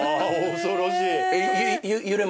恐ろしい